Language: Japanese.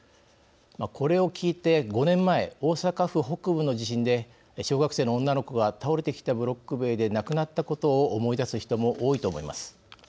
これを聞いて５年前大阪府北部の地震で小学生の女の子が倒れてきたブロック塀で亡くなったことを思い出す人も多いと思います。